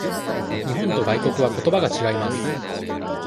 日本と外国はことばが違います。